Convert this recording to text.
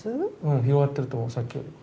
うん広がってると思うさっきより。